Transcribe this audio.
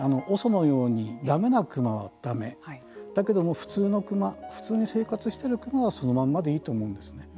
ＯＳＯのようにだめなクマはだめだけども、普通のクマ普通に生活しているクマはそのままでいいと思うんですよね。